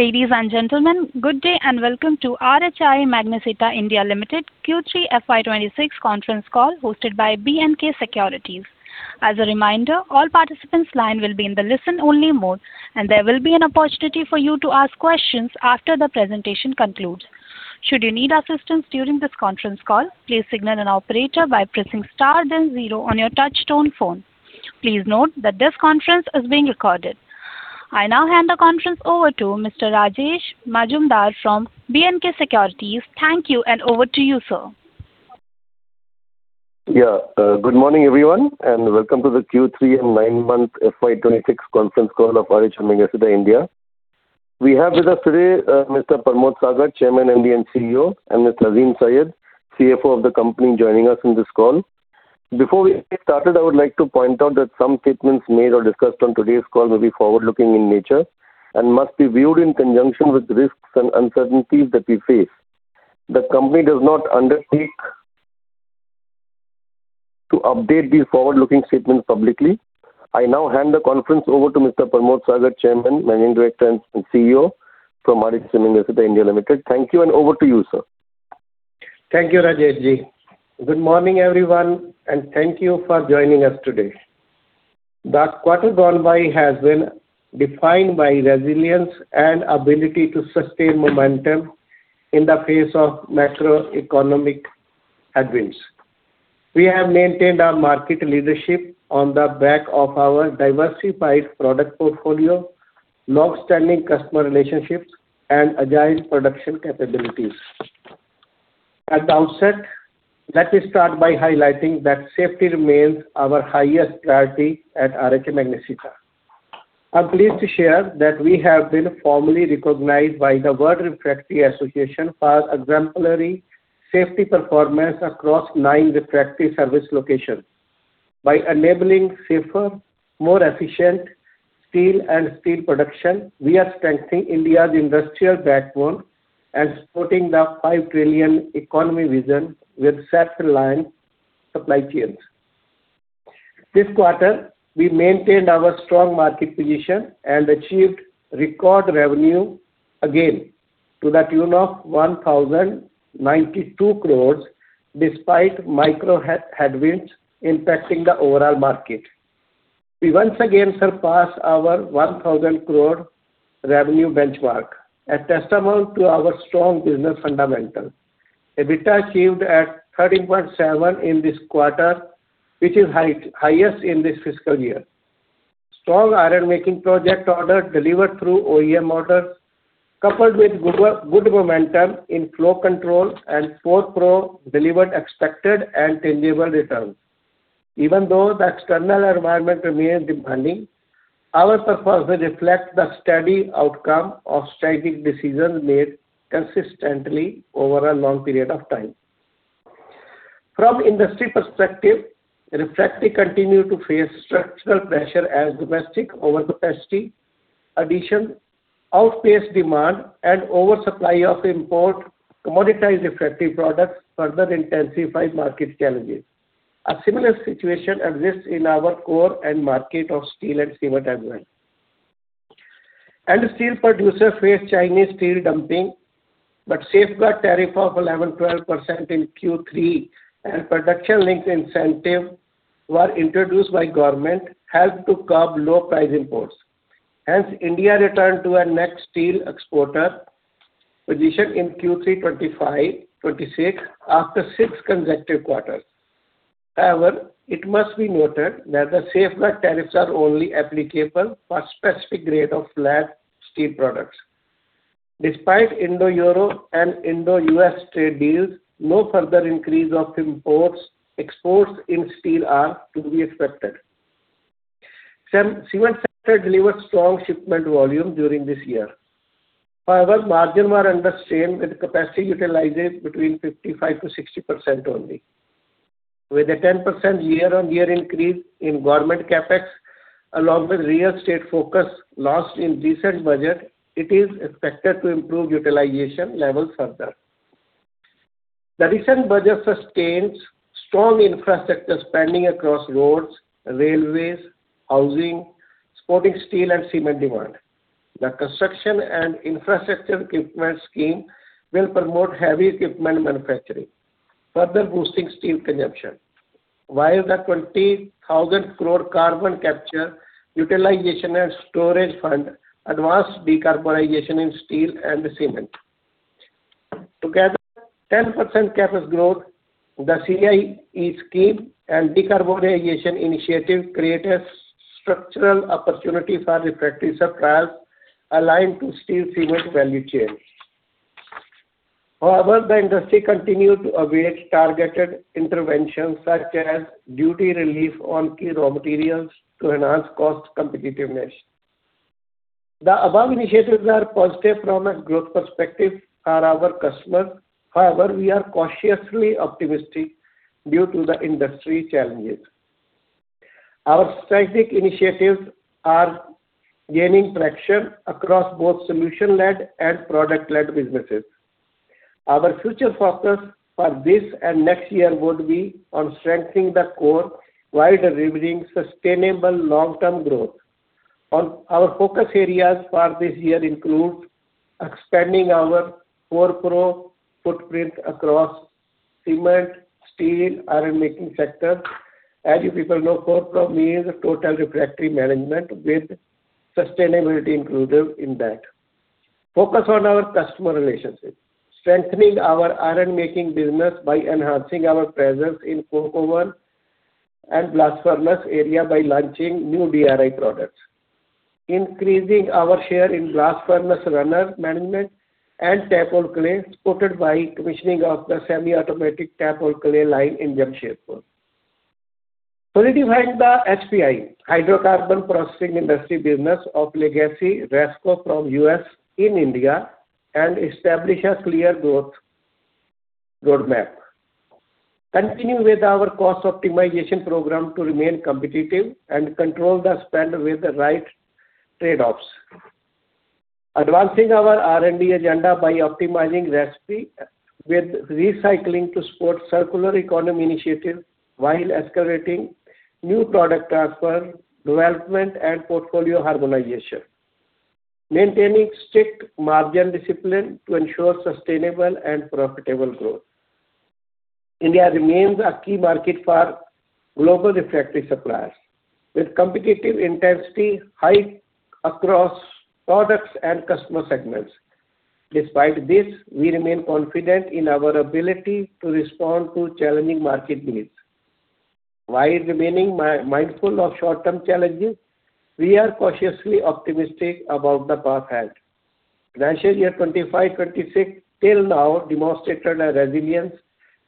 Ladies and gentlemen, good day, and welcome to RHI Magnesita India Limited Q3 FY 2026 conference call, hosted by B&K Securities. As a reminder, all participants' line will be in the listen-only mode, and there will be an opportunity for you to ask questions after the presentation concludes. Should you need assistance during this conference call, please signal an operator by pressing star then zero on your touchtone phone. Please note that this conference is being recorded. I now hand the conference over to Rajesh Majumdar from B&K Securities. Thank you, and over to you, sir. Yeah. Good morning, everyone, and welcome to the Q3 and nine-month FY 2026 conference call of RHI Magnesita India. We have with us today, Mr. Parmod Sagar, Chairman and CEO, and Mr. Azim Syed, CFO of the company, joining us on this call. Before we get started, I would like to point out that some statements made or discussed on today's call may be forward-looking in nature, and must be viewed in conjunction with risks and uncertainties that we face. The company does not undertake to update these forward-looking statements publicly. I now hand the conference over to Mr. Parmod Sagar, Chairman, Managing Director, and CEO from RHI Magnesita India Limited. Thank you, and over to you, sir. Thank you, Rajesh Ji. Good morning, everyone, and thank you for joining us today. The quarter gone by has been defined by resilience and ability to sustain momentum in the face of macroeconomic headwinds. We have maintained our market leadership on the back of our diversified product portfolio, long-standing customer relationships, and agile production capabilities. At the outset, let me start by highlighting that safety remains our highest priority at RHI Magnesita. I'm pleased to share that we have been formally recognized by the World Refractories Association for exemplary safety performance across nine refractory service locations. By enabling safer, more efficient steel and steel production, we are strengthening India's industrial backbone and supporting the five trillion economy vision with self-reliant supply chains. This quarter, we maintained our strong market position and achieved record revenue again, to the tune of 1,092 crore, despite micro headwinds impacting the overall market. We once again surpassed our 1,000 crore revenue benchmark, a testament to our strong business fundamentals. EBITDA achieved at 13.7 in this quarter, which is highest in this fiscal year. Strong ironmaking project order delivered through OEM orders, coupled with good momentum in flow control and 4PRO, delivered expected and tangible returns. Even though the external environment remains demanding, our performance reflects the steady outcome of strategic decisions made consistently over a long period of time. From industry perspective, refractory continue to face structural pressure as domestic overcapacity addition, outpaced demand, and oversupply of import commoditized refractory products further intensify market challenges. A similar situation exists in our core end market of steel and cement as well. Steel producers face Chinese steel dumping, but safeguard tariff of 11%-12% in Q3 and production-linked incentive were introduced by government helped to curb low-price imports. Hence, India returned to a net steel exporter position in Q3 2025-2026 after 6 consecutive quarters. However, it must be noted that the safeguard tariffs are only applicable for specific grade of flat steel products. Despite Indo-Euro and Indo-U.S. trade deals, no further increase of imports, exports in steel are to be expected. Cement sector delivered strong shipment volume during this year. However, margins were under strain, with capacity utilization between 55%-60% only. With a 10% year-on-year increase in government CapEx, along with real estate focus lost in recent budget, it is expected to improve utilization levels further. The recent budget sustains strong infrastructure spending across roads, railways, housing, supporting steel and cement demand. The construction and infrastructure equipment scheme will promote heavy equipment manufacturing, further boosting steel consumption. While the 20,000 crore carbon capture, utilization and storage fund advance decarbonization in steel and cement. Together, 10% CapEx growth, the CIE Scheme and decarbonization initiative create a structural opportunity for refractory suppliers aligned to steel, cement value chain. However, the industry continued to await targeted interventions, such as duty relief on key raw materials to enhance cost competitiveness. The above initiatives are positive from a growth perspective for our customer, however, we are cautiously optimistic due to the industry challenges. Our strategic initiatives are gaining traction across both solution-led and product-led businesses.... Our future focus for this and next year would be on strengthening the core, while delivering sustainable long-term growth. On-- Our focus areas for this year include: expanding our 4PRO footprint across cement, steel, iron making sector. As you people know, 4PRO means total refractory management with sustainability included in that. Focus on our customer relationships, strengthening our ironmaking business by enhancing our presence in coke oven and blast furnace area by launching new DRI products. Increasing our share in blast furnace runner management and taphole clay, supported by commissioning of the semi-automatic taphole clay line in Jamshedpur. Solidifying the HPI, hydrocarbon processing industry business of legacy Resco from U.S. in India, and establish a clear growth roadmap. Continue with our cost optimization program to remain competitive and control the spend with the right trade-offs. Advancing our R&D agenda by optimizing recipe with recycling to support circular economy initiative, while escalating new product transfer, development, and portfolio harmonization. Maintaining strict margin discipline to ensure sustainable and profitable growth. India remains a key market for global refractory suppliers, with competitive intensity high across products and customer segments. Despite this, we remain confident in our ability to respond to challenging market needs. While remaining mindful of short-term challenges, we are cautiously optimistic about the path ahead. Financial year 25, 26, till now, demonstrated a resilience,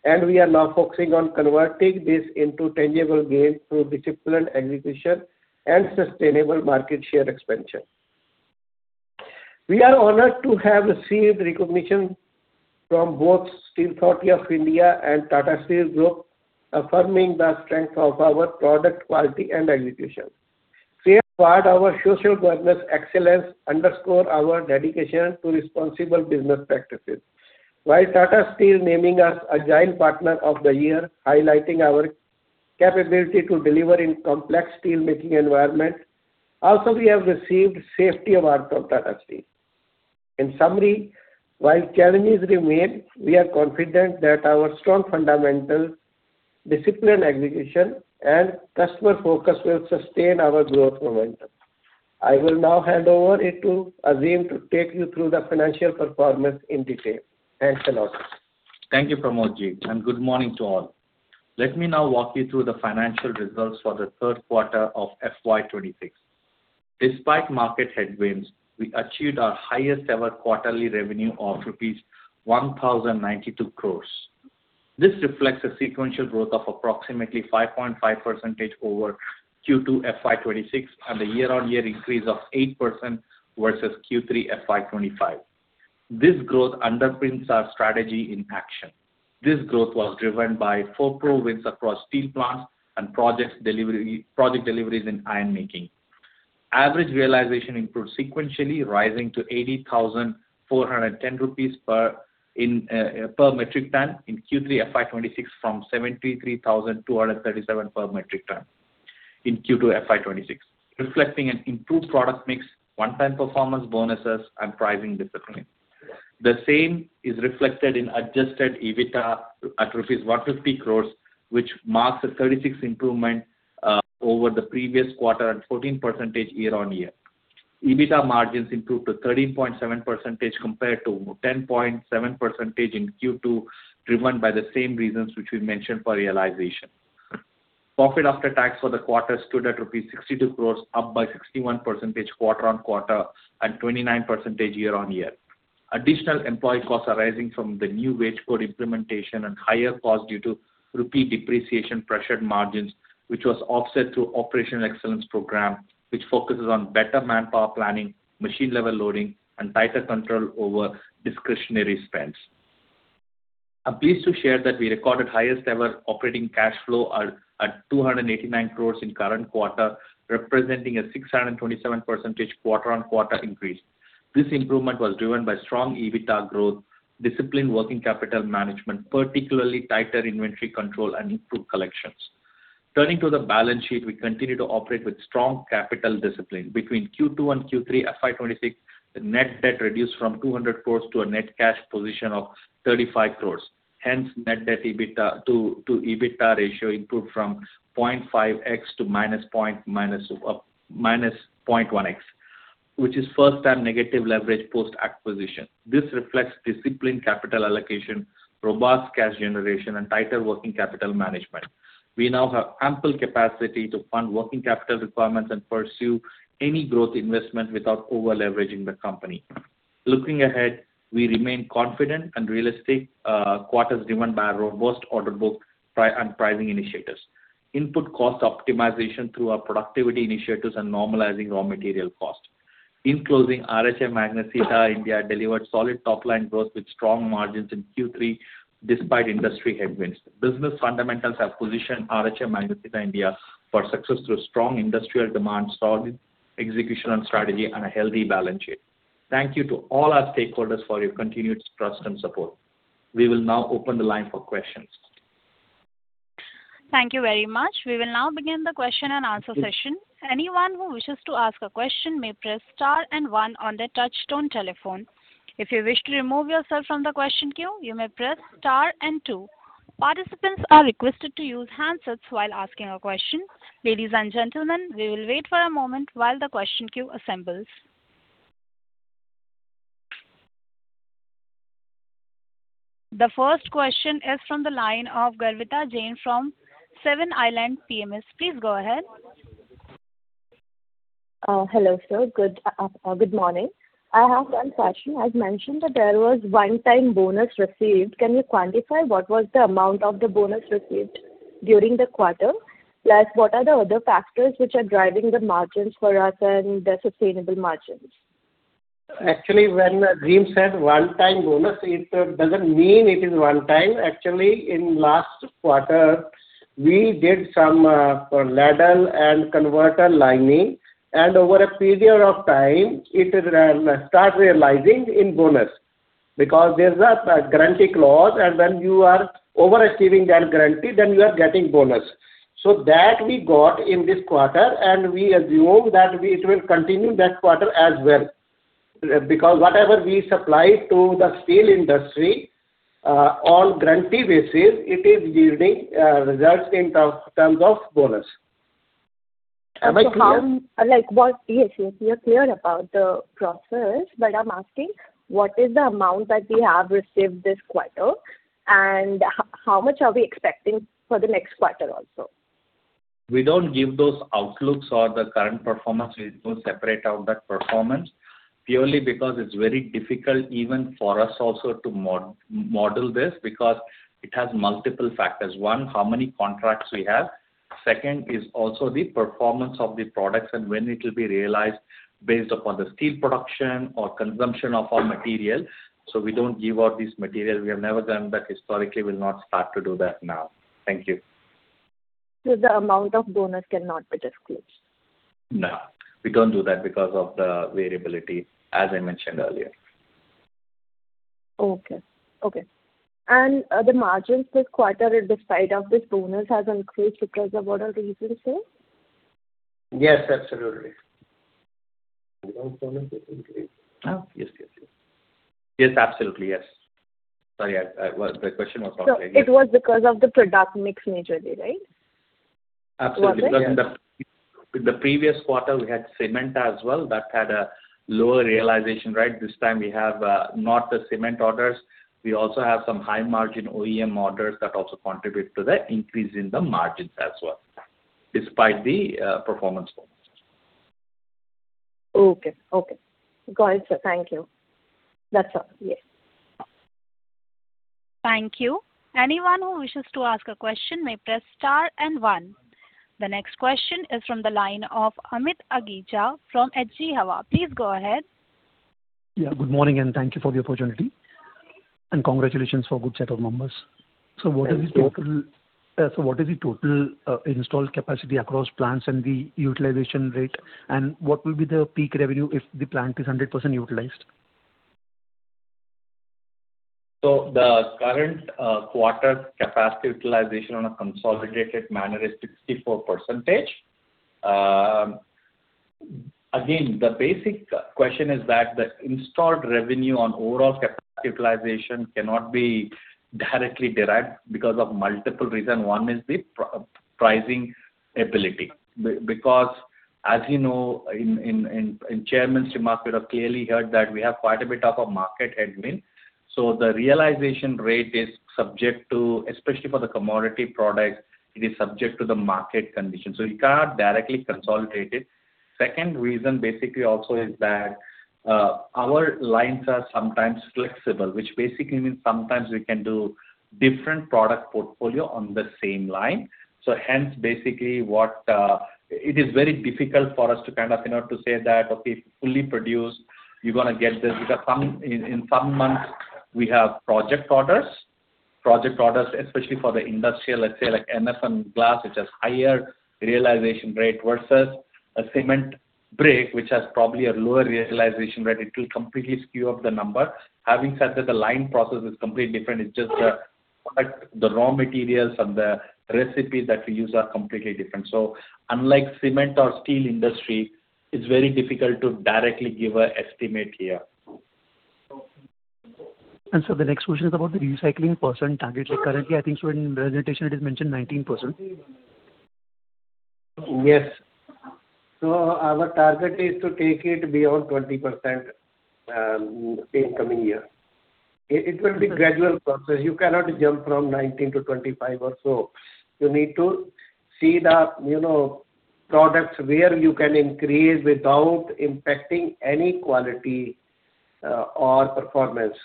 and we are now focusing on converting this into tangible gains through disciplined execution and sustainable market share expansion. We are honored to have received recognition from both Steel Authority of India and Tata Steel Group, affirming the strength of our product quality and execution. We are part of our social governance excellence underscore our dedication to responsible business practices. While Tata Steel naming us Agile Partner of the Year, highlighting our capability to deliver in complex steelmaking environment, also, we have received Safety Award from Tata Steel. In summary, while challenges remain, we are confident that our strong fundamental, disciplined execution, and customer focus will sustain our growth momentum. I will now hand over it to Azim to take you through the financial performance in detail. Thanks a lot. Thank you, Parmod Ji, and good morning to all. Let me now walk you through the financial results for the Q3 of FY 2026. Despite market headwinds, we achieved our highest ever quarterly revenue of rupees 1,092 crores. This reflects a sequential growth of approximately 5.5% over Q2 FY 2026, and a year-on-year increase of 8% versus Q3 FY 2025. This growth underpins our strategy in action. This growth was driven by 4PRO wins across steel plants and project deliveries in iron making. Average realization improved sequentially, rising to 80,410 rupees per metric ton in Q3 FY 2026, from 73,237 per metric ton in Q2 FY 2026, reflecting an improved product mix, one-time performance bonuses, and pricing discipline. The same is reflected in adjusted EBITDA at rupees 150 crores, which marks a 36% improvement over the previous quarter and 14% year-on-year. EBITDA margins improved to 13.7%, compared to 10.7% in Q2, driven by the same reasons which we mentioned for realization. Profit after tax for the quarter stood at 62 crores rupees, up by 61% quarter-on-quarter and 29% year-on-year. Additional employee costs arising from the new wage code implementation and higher costs due to rupee depreciation pressured margins, which was offset through operational excellence program, which focuses on better manpower planning, machine level loading, and tighter control over discretionary spends. I'm pleased to share that we recorded highest ever operating cash flow at 289 crores in current quarter, representing a 627% quarter-on-quarter increase. This improvement was driven by strong EBITDA growth, disciplined working capital management, particularly tighter inventory control and improved collections. Turning to the balance sheet, we continue to operate with strong capital discipline. Between Q2 and Q3 FY 2026, the net debt reduced from 200 crore to a net cash position of 35 crore. Hence, net debt to EBITDA ratio improved from 0.5x to -0.1x, which is first time negative leverage post-acquisition. This reflects disciplined capital allocation, robust cash generation, and tighter working capital management. We now have ample capacity to fund working capital requirements and pursue any growth investment without over-leveraging the company. Looking ahead, we remain confident and realistic quarters driven by a robust order book and pricing initiatives. Input cost optimization through our productivity initiatives and normalizing raw material costs. In closing, RHI Magnesita India delivered solid top-line growth with strong margins in Q3, despite industry headwinds. Business fundamentals have positioned RHI Magnesita India for success through strong industrial demand, solid execution and strategy, and a healthy balance sheet. Thank you to all our stakeholders for your continued trust and support. We will now open the line for questions. Thank you very much. We will now begin the question and answer session. Anyone who wishes to ask a question may press star and one on their touchtone telephone. If you wish to remove yourself from the question queue, you may press star and two. Participants are requested to use handsets while asking a question. Ladies and gentlemen, we will wait for a moment while the question queue assembles. The first question is from the line of Garvita Jain from Seven Islands PMS. Please go ahead. Hello, sir. Good morning. I have one question. I've mentioned that there was one-time bonus received. Can you quantify what was the amount of the bonus received during the quarter? Plus, what are the other factors which are driving the margins for us and the sustainable margins? Actually, when Azim said one-time bonus, it doesn't mean it is one time. Actually, in last quarter, we did some ladle and converter lining, and over a period of time, it is start realizing in bonus. Because there's a guarantee clause, and when you are overachieving that guarantee, then you are getting bonus. So that we got in this quarter, and we assume that we-it will continue next quarter as well. Because whatever we supplied to the steel industry, on guarantee basis, it is yielding results in terms of bonus. Am I clear? Like, what? Yes, yes, we are clear about the process, but I'm asking, what is the amount that we have received this quarter? And how much are we expecting for the next quarter also? We don't give those outlooks or the current performance. We don't separate out that performance. Purely because it's very difficult even for us also to model this, because it has multiple factors. One, how many contracts we have? Second, is also the performance of the products and when it will be realized based upon the steel production or consumption of our material. So we don't give out this material. We have never done that historically, we'll not start to do that now. Thank you. The amount of bonus cannot be disclosed? No, we don't do that because of the variability, as I mentioned earlier. Okay, okay. The margins this quarter, despite of this bonus, has increased because of what I already said? Yes, absolutely. Yes, yes, yes. Yes, absolutely, yes. Sorry, I, I... The question was not very clear. So it was because of the product mix majorly, right? Absolutely. Was it? Because in the previous quarter, we had cement as well, that had a lower realization rate. This time we have not the cement orders. We also have some high-margin OEM orders that also contribute to the increase in the margins as well, despite the performance bonus. Okay, okay. Got it, sir. Thank you. That's all, yes. Thank you. Anyone who wishes to ask a question may press star and one. The next question is from the line of Amit Agija from HG Hava. Please go ahead. Yeah, good morning, and thank you for the opportunity. Congratulations for a good set of numbers. Thank you. What is the total installed capacity across plants and the utilization rate, and what will be the peak revenue if the plant is 100% utilized? So the current quarter capacity utilization on a consolidated manner is 64%. Again, the basic question is that the installed revenue on overall capacity utilization cannot be directly derived because of multiple reason. One is the pricing ability. Because, as you know, in Chairman's remark, you have clearly heard that we have quite a bit of a market advantage. So the realization rate is subject to, especially for the commodity products, it is subject to the market conditions, so you cannot directly consolidate it. Second reason, basically, also is that, our lines are sometimes flexible, which basically means sometimes we can do different product portfolio on the same line. So hence, basically, what... It is very difficult for us to kind of, you know, to say that, okay, fully produced, you're going to get this. Because in some months we have project orders. Project orders, especially for the industrial, let's say, like, NFM glass, which has higher realization rate versus a cement brick, which has probably a lower realization rate, it will completely skew up the number. Having said that, the line process is completely different. It's just like the raw materials and the recipes that we use are completely different. So unlike cement or steel industry, it's very difficult to directly give an estimate here. The next question is about the recycling percent target. Like, currently, I think so in the presentation, it is mentioned 19%. Yes. So our target is to take it beyond 20%, in coming year. It will be gradual process. You cannot jump from 19-25 or so. You need to see the, you know, products where you can increase without impacting any quality, or performance.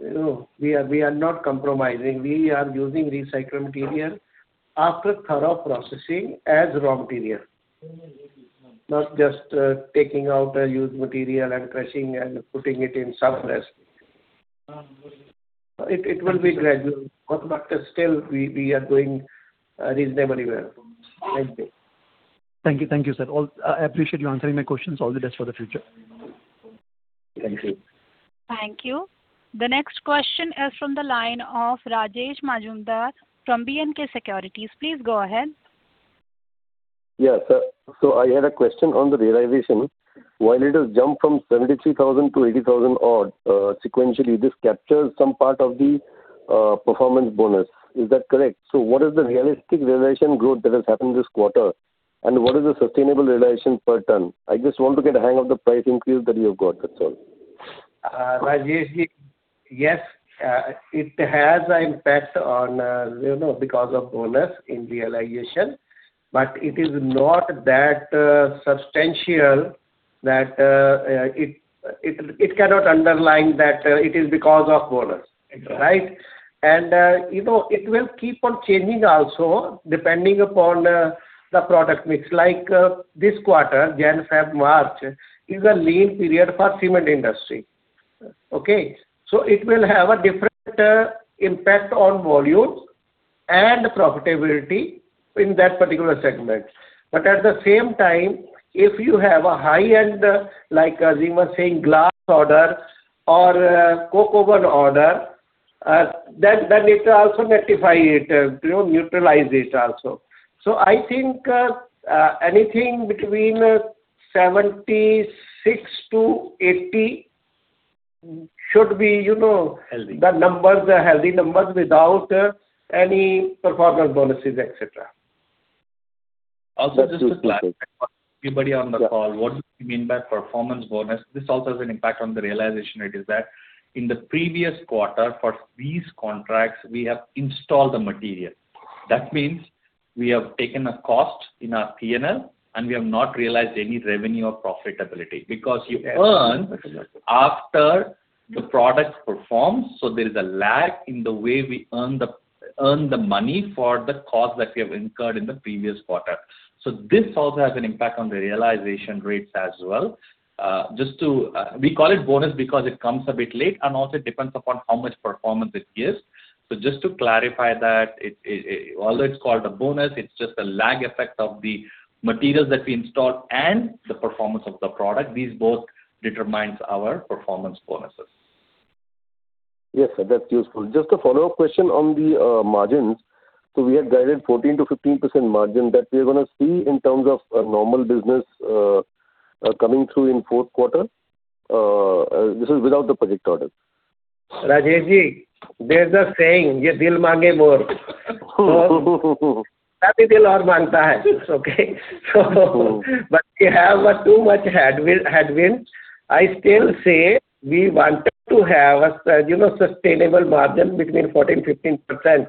You know, we are, we are not compromising. We are using recycled material after thorough processing as raw material, not just, taking out a used material and crushing and putting it in some place. It will be gradual, but still we are doing reasonably well. Thank you. Thank you. Thank you, sir. I appreciate you answering my questions. All the best for the future. Thank you. Thank you. The next question is from the line of Rajesh Majumdar from B&K Securities. Please go ahead. Yeah. So, so I had a question on the realization. While it has jumped from 73,000 to 80,000 odd, sequentially, this captures some part of the, performance bonus. Is that correct? So what is the realistic realization growth that has happened this quarter, and what is the sustainable realization per ton? I just want to get a hang of the price increase that you've got, that's all. Rajesh, yes, it has an impact on, you know, because of bonus in realization, but it is not that substantial that it cannot underline that it is because of bonus. Exactly. Right? You know, it will keep on changing also, depending upon the product mix. Like, this quarter, January, February, March, is a lean period for cement industry. Okay? So it will have a different impact on volume and profitability in that particular segment. But at the same time, if you have a high-end, like, as you were saying, glass order or, Coke Oven order, then it also rectify it, you know, neutralize it also. So I think, anything between 76-80 should be, you know- Healthy. - the numbers are healthy numbers without any performance bonuses, et cetera. Also, just to clarify for everybody on the call, what do you mean by performance bonus? This also has an impact on the realization rate, is that in the previous quarter, for these contracts, we have installed the material. That means we have taken a cost in our P&L, and we have not realized any revenue or profitability because you earn- Yes, exactly. after the product performs, so there is a lag in the way we earn the, earn the money for the cost that we have incurred in the previous quarter. So this also has an impact on the realization rates as well. Just to... we call it bonus because it comes a bit late and also depends upon how much performance it gives. So just to clarify that, it, it, although it's called a bonus, it's just a lag effect of the materials that we installed and the performance of the product. These both determines our performance bonuses. Yes, sir, that's useful. Just a follow-up question on the margins. So we had guided 14%-15% margin, that we're gonna see in terms of normal business coming through in Q4. This is without the project orders. Rajeshji, there's a saying. Okay, so, but we have too much headwind, headwind. I still say we want to have a sustainable margin between 14%-15%. This,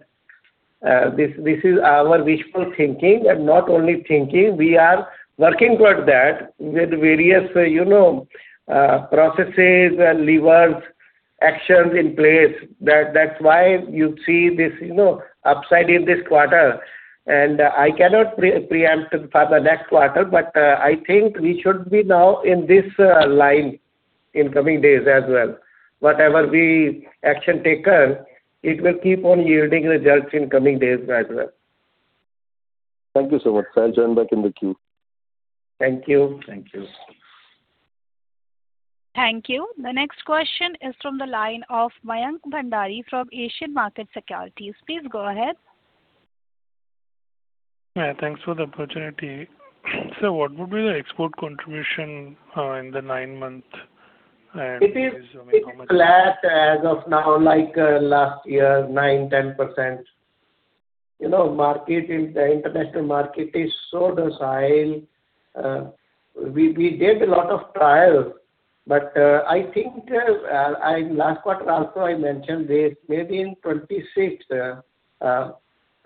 this is our wishful thinking, and not only thinking, we are working toward that with various, you know, processes and levers, actions in place. That's why you see this, you know, upside in this quarter. And I cannot preempt for the next quarter, but I think we should be now in this line in coming days as well. Whatever we action taken, it will keep on yielding results in coming days as well. Thank you so much. I'll join back in the queue. Thank you. Thank you. Thank you. The next question is from the line of Mayank Bhandari from Asian Market Securities. Please go ahead. Yeah, thanks for the opportunity. Sir, what would be the export contribution in the nine months? And- It is flat as of now, like last year 9%-10%. You know, the market in the international market is so docile. We did a lot of trial, but I think in last quarter also I mentioned this, maybe in 26th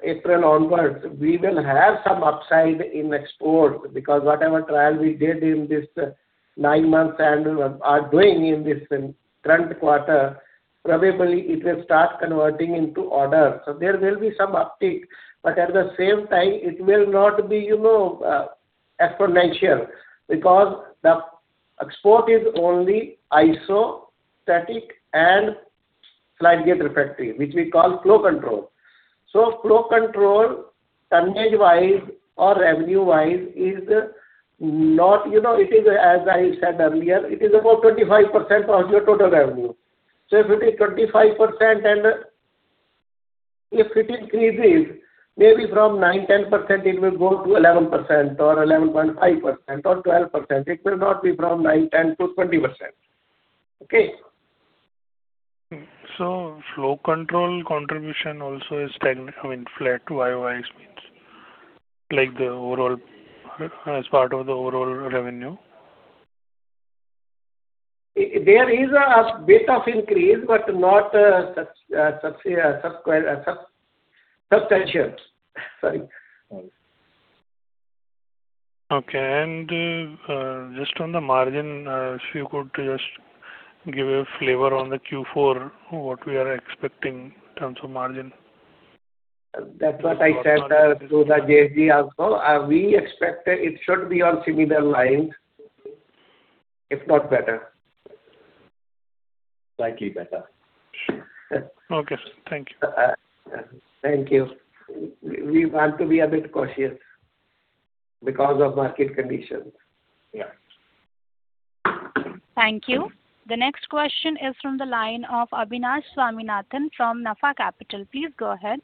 April onwards, we will have some upside in export, because whatever trial we did in this nine months and are doing in this current quarter, probably it will start converting into orders. So there will be some uptick, but at the same time, it will not be, you know, exponential, because the export is only isostatic and slide gate refractory, which we call flow control. So flow control, tonnage-wise or revenue-wise, is not... You know, it is, as I said earlier, it is about 25% of your total revenue. So if it is 25%, and if it increases, maybe from 9%-10%, it will go to 11% or 11.5% or 12%. It will not be from 9%-10%-20%. Okay? So flow control contribution also is, I mean, flat YOY means, like the overall, as part of the overall revenue? There is a bit of increase, but not substantial. Sorry. Okay. And, just on the margin, if you could just give a flavor on the Q4, what we are expecting in terms of margin? ... That's what I said, to the JG also. We expect that it should be on similar lines, if not better. Slightly better. Okay, thank you. Thank you. We want to be a bit cautious because of market conditions. Yeah. Thank you. The next question is from the line of Abhinav Swaminathan from Nuvama. Please go ahead.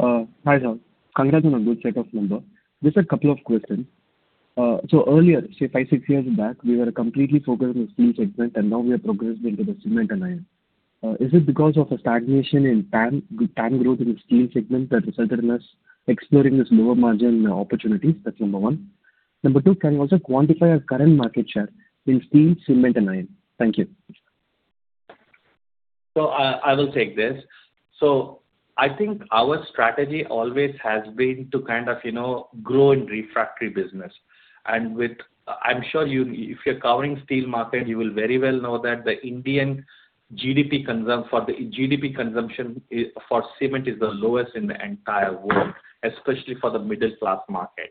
Hi, sir. Congrats on a good set of numbers. Just a couple of questions. So earlier, say 5-years, 6-years back, we were completely focused on the steel segment, and now we have progressed into the cement and iron. Is it because of a stagnation in time, the time growth in the steel segment that resulted in us exploring this lower margin opportunities? That's number one. Number two, can you also quantify your current market share in steel, cement and iron? Thank you. So, I will take this. So I think our strategy always has been to kind of, you know, grow in the refractory business. And with—I'm sure you, if you're covering the steel market, you will very well know that the Indian GDP consumption for the, GDP consumption is, for cement is the lowest in the entire world, especially for the middle class market.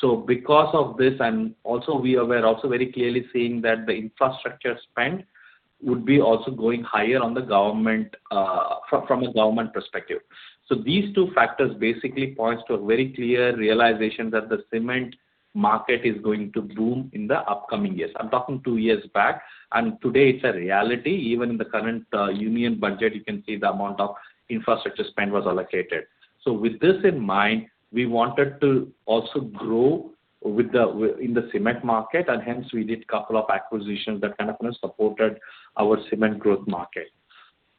So because of this, and also we are aware, also very clearly seeing that the infrastructure spend would be also going higher on the government, from a government perspective. So these two factors basically points to a very clear realization that the cement market is going to boom in the upcoming years. I'm talking two years back, and today it's a reality. Even in the current Union Budget, you can see the amount of infrastructure spend was allocated. So with this in mind, we wanted to also grow in the cement market, and hence we did a couple of acquisitions that kind of, you know, supported our cement growth market.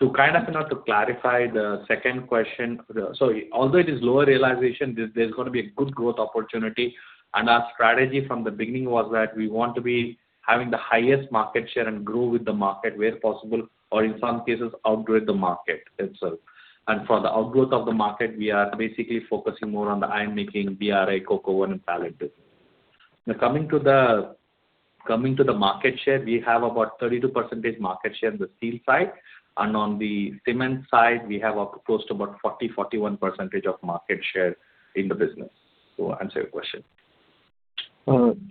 To kind of, you know, to clarify the second question. So although it is lower realization, there's going to be a good growth opportunity, and our strategy from the beginning was that we want to be having the highest market share and grow with the market where possible, or in some cases outgrow the market itself. And for the outgrow of the market, we are basically focusing more on the ironmaking, DRI, coke oven and pellet business. Now, coming to the market share, we have about 32% market share on the steel side, and on the cement side, we have up close to about 40%-41% market share in the business, to answer your question.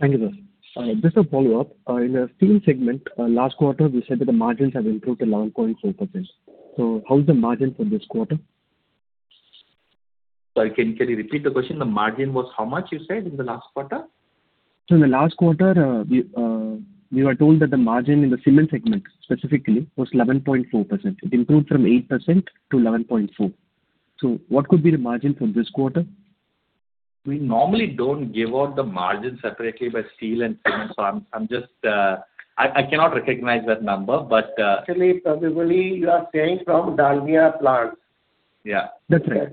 Thank you, sir. Just a follow-up. In the steel segment, last quarter, you said that the margins have improved to 11.4%. So how is the margin for this quarter? Sorry, can you repeat the question? The margin was how much you said in the last quarter? So in the last quarter, we were told that the margin in the cement segment specifically was 11.4%. It improved from 8%-11.4%. So what could be the margin for this quarter? We normally don't give out the margin separately by steel and cement, so I'm just I cannot recognize that number, but- Actually, probably you are saying from Dalmia plant. Yeah. That's right.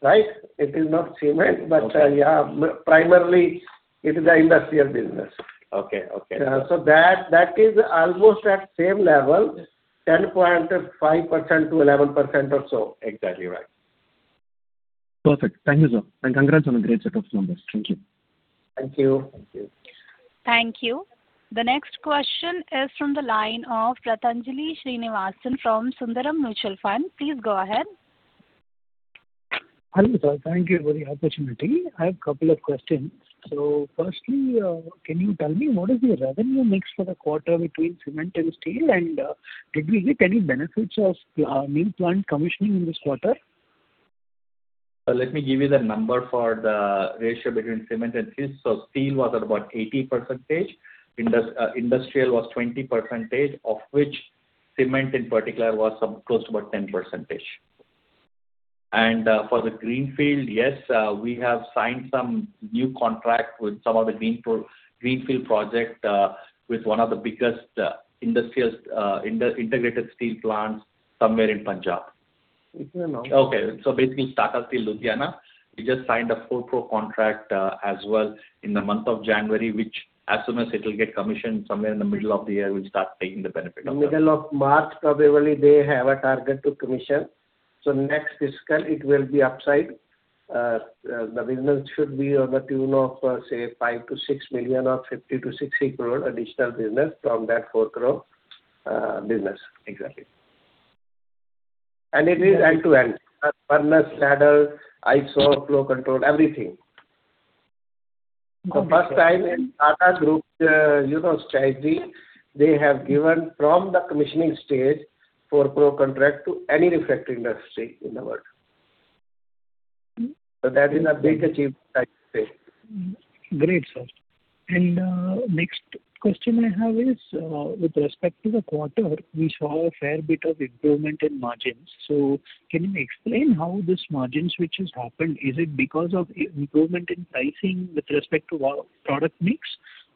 Right? It is not cement, but, yeah, primarily, it is the industrial business. Okay, okay. So that, that is almost at same level, 10.5%-11% or so. Exactly right. Perfect. Thank you, sir, and congrats on a great set of numbers. Thank you. Thank you. Thank you. Thank you. The next question is from the line of Gitanjali Srinivasan from Sundaram Mutual Fund. Please go ahead. Hello, sir. Thank you for the opportunity. I have a couple of questions. So firstly, can you tell me what is the revenue mix for the quarter between cement and steel? And, did we get any benefits of new plant commissioning in this quarter? Let me give you the number for the ratio between cement and steel. So steel was at about 80%, industrial was 20%, of which cement in particular was some, close to about 10%. For the greenfield, yes, we have signed some new contract with some of the greenfield greenfield project, with one of the biggest industrials, integrated steel plants somewhere in Punjab. It's... Okay, so basically Tata Steel Ludhiana. We just signed a FORPRO contract as well in the month of January, which as soon as it will get commissioned somewhere in the middle of the year, we'll start taking the benefit of that. Middle of March, probably, they have a target to commission, so next fiscal it will be upside. The business should be to the tune of, say, 5-6 million or 50-60 crore additional business from that fourth growth business. Exactly. And it is end-to-end, furnace, ladle, iso, flow control, everything. The first time in Tata Group, you know, strategy, they have given from the commissioning stage FORPRO contract to any refractory industry in the world. So that is a big achievement, I'd say. Great, sir. Next question I have is, with respect to the quarter, we saw a fair bit of improvement in margins. So can you explain how this margin switch has happened? Is it because of improvement in pricing with respect to product mix,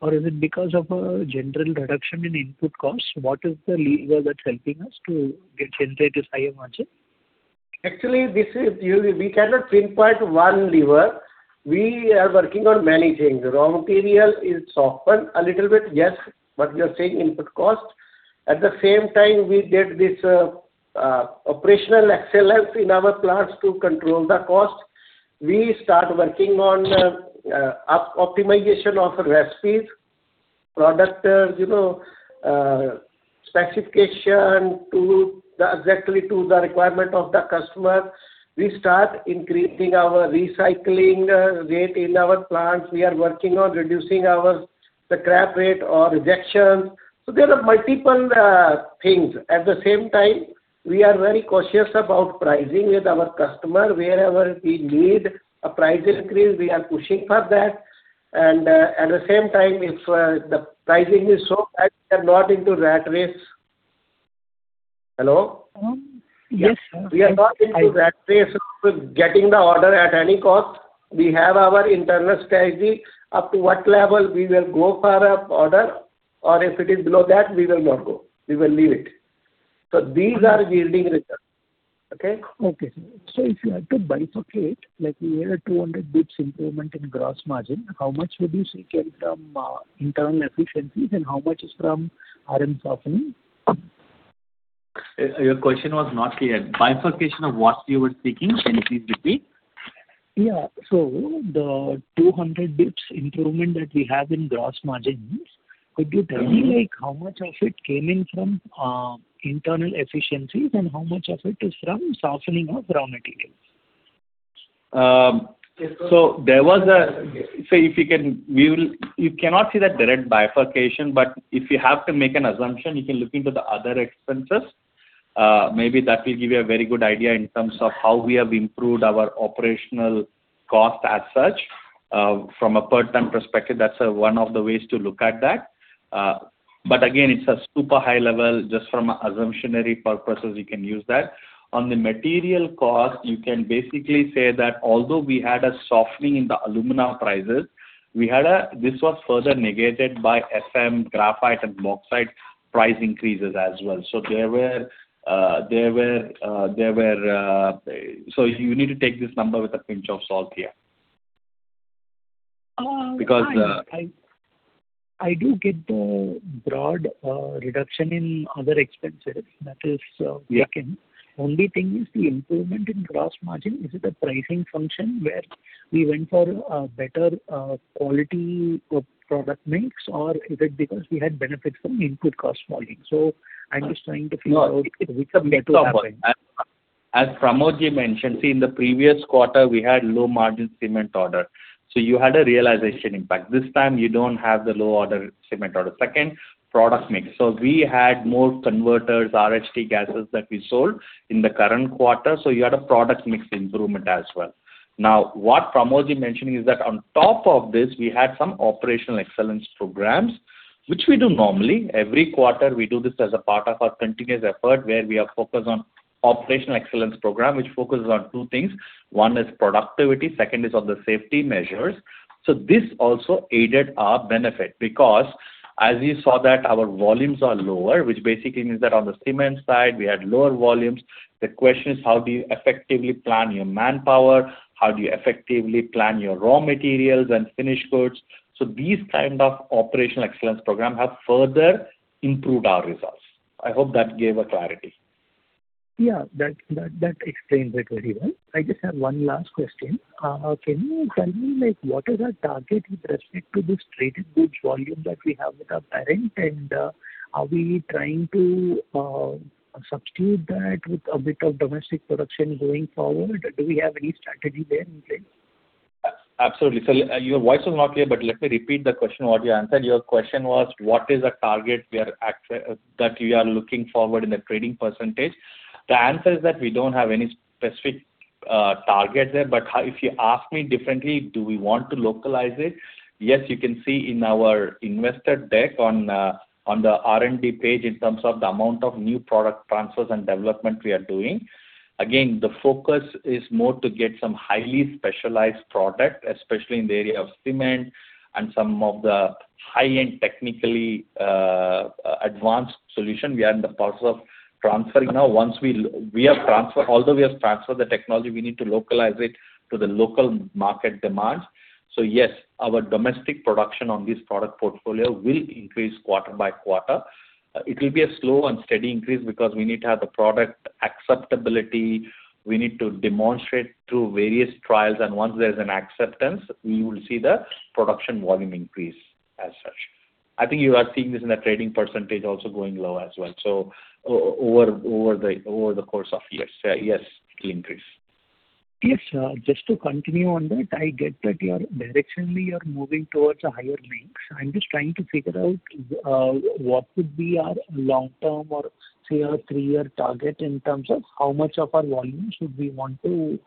or is it because of a general reduction in input costs? What is the lever that's helping us to get, generate this higher margin? Actually, this is usually—we cannot pinpoint one lever. We are working on many things. Raw material is softening a little bit, yes, but we are seeing input cost. At the same time, we get this, operational excellence in our plants to control the cost. We start working on optimization of recipes.... product, you know, specification to the, exactly to the requirement of the customer. We start increasing our recycling rate in our plants. We are working on reducing our the scrap rate or rejections. So there are multiple things. At the same time, we are very cautious about pricing with our customer. Wherever we need a price increase, we are pushing for that, and at the same time, if the pricing is so bad, we are not into rat race. Hello? Yes, sir. We are not into rat race with getting the order at any cost. We have our internal strategy, up to what level we will go for an order, or if it is below that, we will not go. We will leave it. So these are yielding results. Okay? Okay. So if you had to bifurcate, like we had a 200 basis points improvement in gross margin, how much would you say came from, internal efficiencies and how much is from RM softening? Your question was not clear. Bifurcation of what you were speaking, can you please repeat? Yeah. So the 200 basis points improvement that we have in gross margins, could you tell me, like, how much of it came in from internal efficiencies and how much of it is from softening of raw materials? So if you can, we will. You cannot see the direct bifurcation, but if you have to make an assumption, you can look into the other expenses. Maybe that will give you a very good idea in terms of how we have improved our operational cost as such. From a part-time perspective, that's one of the ways to look at that. But again, it's a super high level. Just from assumptionary purposes, you can use that. On the material cost, you can basically say that although we had a softening in the alumina prices, we had a. This was further negated by FM, graphite and bauxite price increases as well. So there were. So you need to take this number with a pinch of salt here. Uh, I- Because, uh- I do get the broad reduction in other expenses. That is second. Yeah. Only thing is the improvement in gross margin. Is it a pricing function where we went for better quality of product mix, or is it because we had benefits from input cost margin? I'm just trying to figure out which of it happened. As Parmod mentioned, see, in the previous quarter, we had low-margin cement order, so you had a realization impact. This time, you don't have the low order, cement order. Second, product mix. So we had more converters, RH degassers that we sold in the current quarter, so you had a product mix improvement as well. Now, what Parmod mentioned is that on top of this, we had some operational excellence programs, which we do normally. Every quarter, we do this as a part of our continuous effort, where we are focused on operational excellence program, which focuses on two things: one is productivity, second is on the safety measures. So this also aided our benefit, because as you saw that our volumes are lower, which basically means that on the cement side, we had lower volumes. The question is: How do you effectively plan your manpower? How do you effectively plan your raw materials and finished goods? These kind of operational excellence program have further improved our results. I hope that gave a clarity. Yeah, that, that, that explains it very well. I just have one last question. Can you tell me, like, what is our target with respect to this traded goods volume that we have with our parent? And, are we trying to substitute that with a bit of domestic production going forward? Do we have any strategy there in place? Absolutely. So your voice was not clear, but let me repeat the question what you asked. Your question was: What is the target that we are looking forward in the trading percentage? The answer is that we don't have any specific target there. But if you ask me differently, do we want to localize it? Yes, you can see in our investor deck on, on the R&D page, in terms of the amount of new product transfers and development we are doing. Again, the focus is more to get some highly specialized product, especially in the area of cement and some of the high-end, technically advanced solution. We are in the process of transferring now. We have transferred... Although we have transferred the technology, we need to localize it to the local market demand. So yes, our domestic production on this product portfolio will increase quarter by quarter. It will be a slow and steady increase because we need to have the product acceptability, we need to demonstrate through various trials, and once there's an acceptance, we will see the production volume increase as such. I think you are seeing this in the trading percentage also going low as well. So over the course of years, yes, it will increase. Yes, just to continue on that, I get that you are, directionally, you're moving towards a higher mix. I'm just trying to figure out, what could be our long-term or, say, our three-year target in terms of how much of our volume should we want to,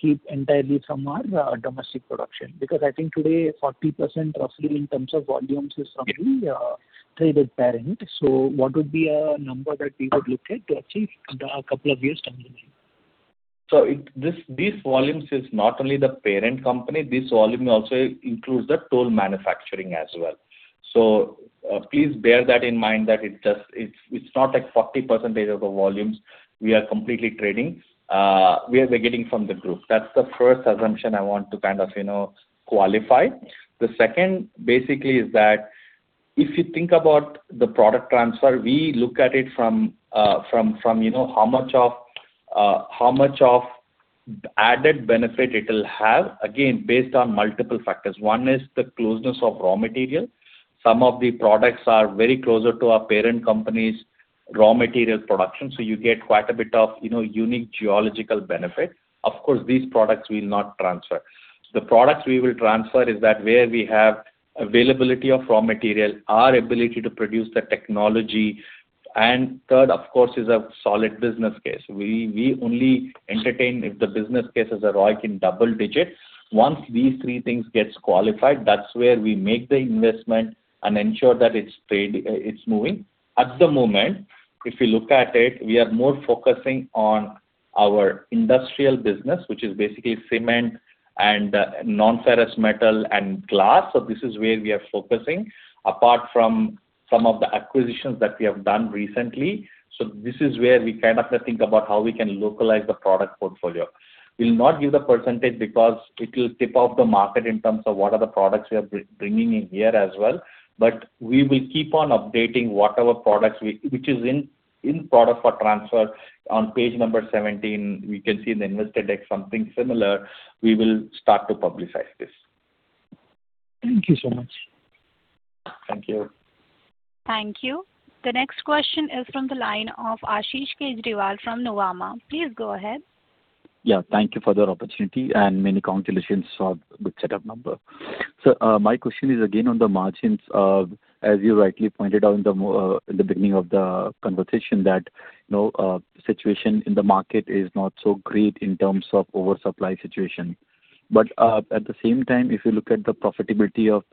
keep entirely from our, domestic production. Because I think today, 40%, roughly, in terms of volumes, is from the, traded parent. So what would be a number that we would look at to achieve the a couple of years timeline? So, this volumes is not only the parent company, this volume also includes the tool manufacturing as well. So, please bear that in mind, that it just, it's not like 40% of the volumes we are completely trading, we are getting from the group. That's the first assumption I want to kind of, you know, qualify. The second, basically, is that if you think about the product transfer, we look at it from, from, you know, how much of, how much of-... The added benefit it will have, again, based on multiple factors. One is the closeness of raw material. Some of the products are very closer to our parent company's raw material production, so you get quite a bit of, you know, unique geological benefit. Of course, these products we'll not transfer. The products we will transfer is that where we have availability of raw material, our ability to produce the technology, and third, of course, is a solid business case. We, we only entertain if the business case is a ROI in double digits. Once these three things gets qualified, that's where we make the investment and ensure that it's paid, it's moving. At the moment, if you look at it, we are more focusing on our industrial business, which is basically cement and non-ferrous metal and glass. So this is where we are focusing, apart from some of the acquisitions that we have done recently. So this is where we kind of think about how we can localize the product portfolio. We'll not give the percentage because it will tip off the market in terms of what are the products we are bringing in here as well, but we will keep on updating what our products which is in product for transfer. On Page 17, we can see in the investor deck something similar. We will start to publicize this. Thank you so much. Thank you. Thank you. The next question is from the line of Ashish Kejriwal from Nuvama. Please go ahead. Yeah, thank you for the opportunity, and many congratulations for good set of number. So, my question is again on the margins. As you rightly pointed out in the beginning of the conversation, that, you know, situation in the market is not so great in terms of oversupply situation. But, at the same time, if you look at the profitability of,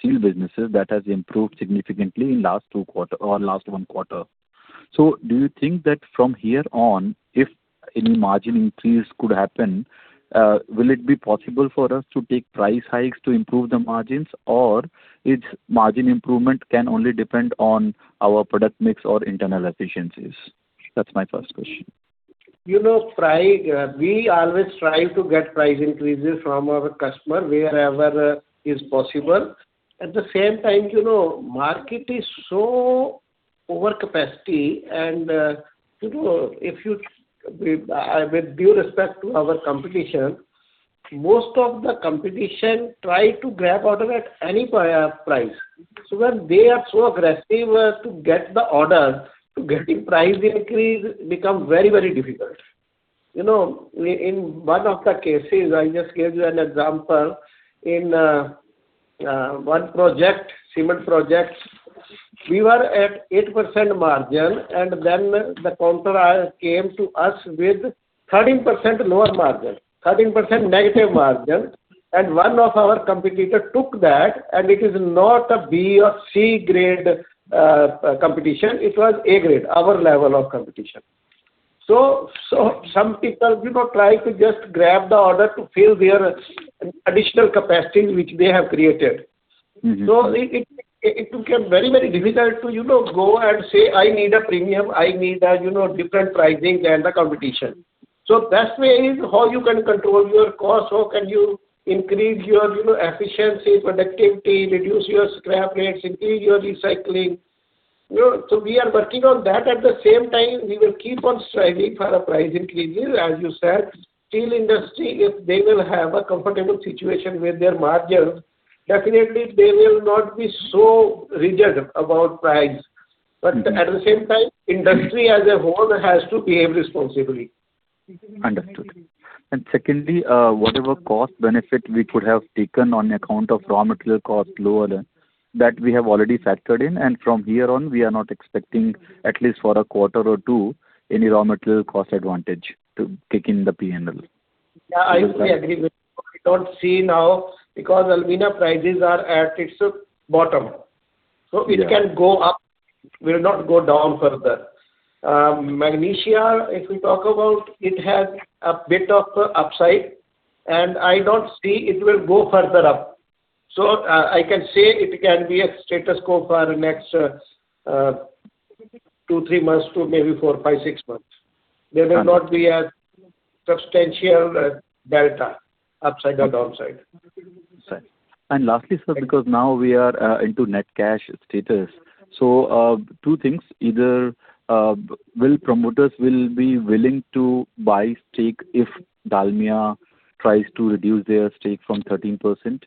steel businesses, that has improved significantly in last two quarter or last one quarter. So do you think that from here on, if any margin increase could happen, will it be possible for us to take price hikes to improve the margins? Or its margin improvement can only depend on our product mix or internal efficiencies? That's my first question. You know, price, we always try to get price increases from our customer wherever it's possible. At the same time, you know, market is so over capacity and, you know, if you... With, with due respect to our competition, most of the competition try to grab order at any price. So when they are so aggressive, to get the order, to getting price increase become very, very difficult. You know, in, in one of the cases, I just gave you an example, in, one project, cement project, we were at 8% margin, and then the counter came to us with 13% lower margin, 13% negative margin, and one of our competitor took that, and it is not a B or C grade, competition, it was A grade, our level of competition. So, some people, you know, try to just grab the order to fill their additional capacity which they have created. Mm-hmm. So it became very, very difficult to, you know, go and say, "I need a premium. I need a, you know, different pricing than the competition." So best way is how you can control your cost, how can you increase your, you know, efficiency, productivity, reduce your scrap rates, increase your recycling. You know, so we are working on that. At the same time, we will keep on striving for a price increase. As you said, steel industry, if they will have a comfortable situation with their margins, definitely they will not be so rigid about price. Mm-hmm. At the same time, industry as a whole has to behave responsibly. Understood. And secondly, whatever cost benefit we could have taken on account of raw material cost lower, that we have already factored in, and from here on, we are not expecting, at least for a quarter or two, any raw material cost advantage to kick in the P&L? Yeah, I fully agree with you. We don't see now because alumina prices are at its bottom. Yeah. So it can go up, will not go down further. Magnesia, if we talk about, it has a bit of a upside, and I don't see it will go further up. So, I can say it can be a status quo for the next, two months, three months to maybe four months, five months, six months. Understood. There will not be a substantial delta, upside or downside. And lastly, sir, because now we are into net cash status. So, two things, either will promoters be willing to buy stake if Dalmia tries to reduce their stake from 13%?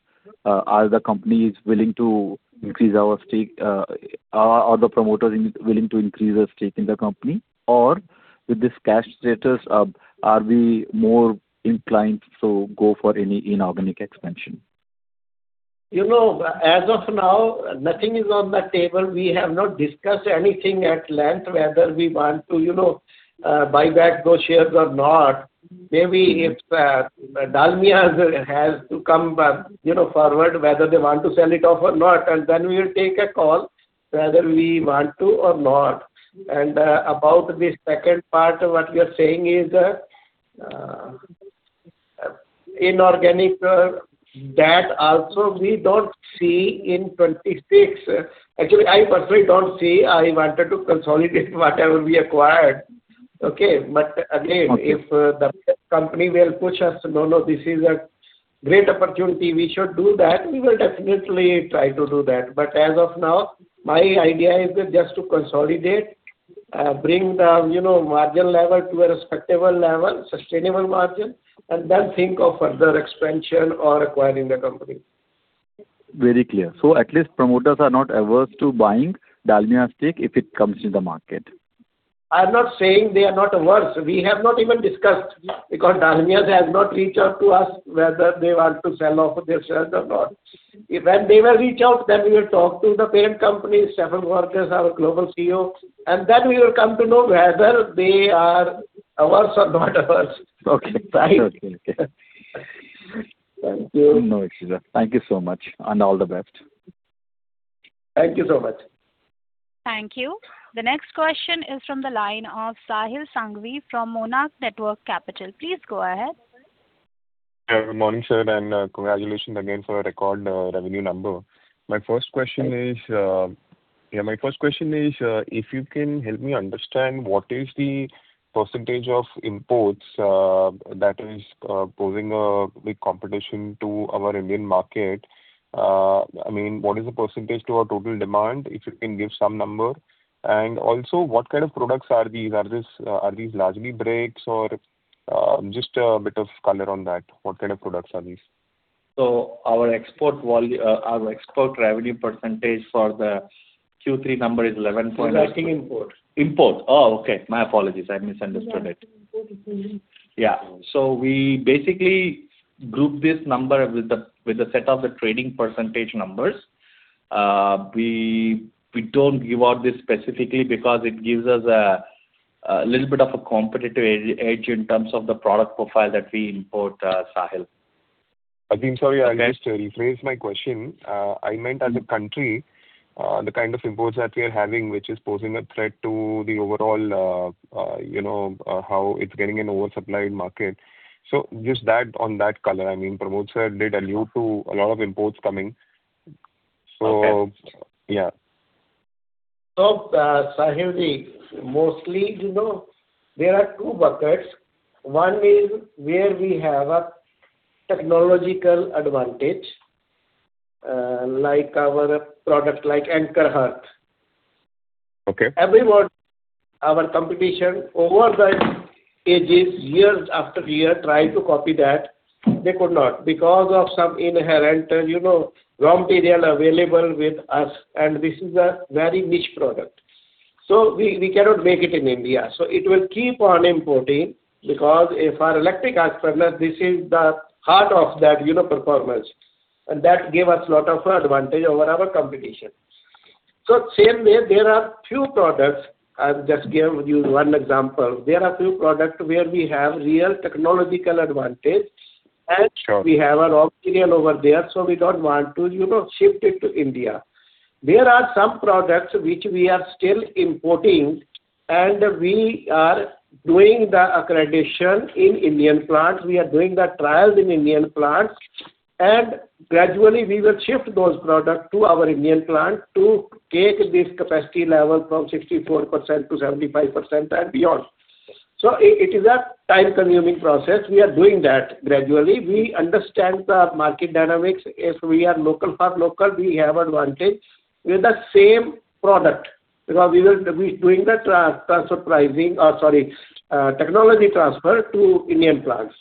Are the companies willing to increase our stake? Are the promoters willing to increase their stake in the company? Or with this cash status, are we more inclined to go for any inorganic expansion? You know, as of now, nothing is on the table. We have not discussed anything at length, whether we want to, you know, buy back those shares or not. Maybe if Dalmia has to come, you know, forward, whether they want to sell it off or not, and then we will take a call whether we want to or not. And about the second part of what you are saying is, inorganic, that also we don't see in 2026. Actually, I personally don't see. I wanted to consolidate whatever we acquired. Okay? But again- Okay.... if the company will push us to, "No, no, this is a-"... great opportunity, we should do that. We will definitely try to do that, but as of now, my idea is just to consolidate, bring the, you know, margin level to a respectable level, sustainable margin, and then think of further expansion or acquiring the company. Very clear. So at least promoters are not averse to buying Dalmia's stake if it comes to the market? I'm not saying they are not averse. We have not even discussed, because Dalmia has not reached out to us whether they want to sell off their shares or not. When they will reach out, then we will talk to the parent company, Stefan Borgas, our Global CEO, and then we will come to know whether they are averse or not averse. Okay, fine. Okay. Thank you. No worries, sir. Thank you so much, and all the best. Thank you so much. Thank you. The next question is from the line of Sahil Sanghvi from Monarch Networth Capital. Please go ahead. Yeah, good morning, sir, and, congratulations again for a record revenue number. Yeah, my first question is, if you can help me understand what is the percentage of imports that is posing a big competition to our Indian market? I mean, what is the percentage to our total demand, if you can give some number? And also, what kind of products are these? Are these largely bricks or just a bit of color on that? What kind of products are these? So our export revenue percentage for the Q3 number is 11 point- We're asking imports. Imports. Oh, okay. My apologies. I misunderstood it. Yes, imports. Yeah. So we basically group this number with the set of the trading percentage numbers. We don't give out this specifically because it gives us a little bit of a competitive edge in terms of the product profile that we import, Sahil. I think, sorry, I'll just rephrase my question. I meant as a country, the kind of imports that we are having, which is posing a threat to the overall, you know, how it's getting an oversupplied market. So just that, on that color, I mean, Parmod did allude to a lot of imports coming. So- Okay. Yeah. So, Sahilji, mostly, you know, there are two buckets. One is where we have a technological advantage, like our product, like Anchor Hearth. Okay. Everyone, our competition, over the ages, years after year, tried to copy that. They could not, because of some inherent, you know, raw material available with us, and this is a very niche product. So we, we cannot make it in India. So it will keep on importing, because if our electric arc furnace, this is the heart of that, you know, performance, and that give us a lot of advantage over our competition. So same way, there are few products, I'll just give you one example. There are few products where we have real technological advantage- Sure. and we have our raw material over there, so we don't want to, you know, shift it to India. There are some products which we are still importing, and we are doing the accreditation in Indian plants. We are doing the trials in Indian plants, and gradually we will shift those products to our Indian plant to take this capacity level from 64%-75% and beyond. So it, it is a time-consuming process. We are doing that gradually. We understand the market dynamics. If we are local, for local, we have advantage with the same product, because we will-- we're doing the trans, transfer pricing... technology transfer to Indian plants.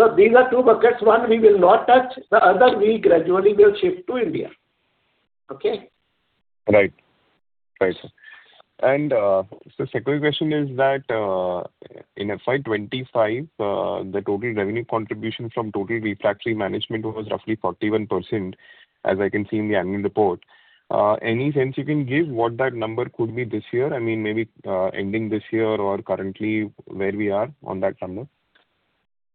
So these are two buckets. One, we will not touch. The other, we gradually will shift to India. Okay? Right. Right. And, so second question is that, in FY 2025, the total revenue contribution from total refractory management was roughly 41%, as I can see in the annual report. Any sense you can give what that number could be this year? I mean, maybe, ending this year or currently where we are on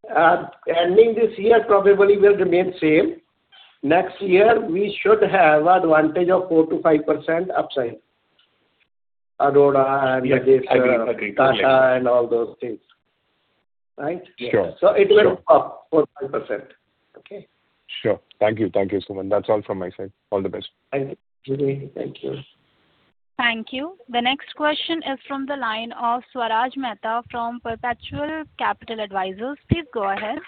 that number. Ending this year, probably will remain same. Next year, we should have advantage of 4%-5% upside. Arora and- Yes, agreed. Agreed. Kasha and all those things. Right? Sure. So it will up 4%-5%. Okay? Sure. Thank you. Thank you so much. That's all from my side. All the best. Thank you. Thank you. Thank you. The next question is from the line of Swaraj Mehta from Perpetual Capital Advisors. Please go ahead.